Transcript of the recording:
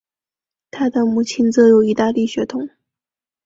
他的母亲则有意大利血统。